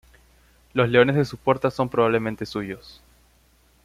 Los leones de su puerta son probablemente suyos.